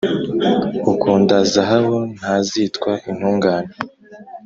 Ukunda zahabu ntazitwa intungane,